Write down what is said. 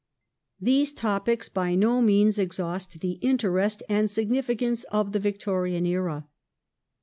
These topics by no means exhaust the interest and significance of the Victorian era.